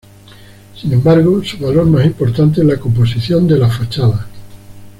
Sin embargo, su valor más importante es la composición de las fachadas.